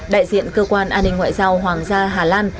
đại diện cơ quan an ninh ngoại giao hoàng gia hà lan